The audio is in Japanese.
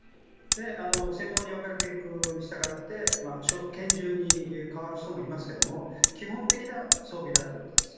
専門に分かれていくにしたがって拳銃に変わる人もいますが基本的な装備だということです。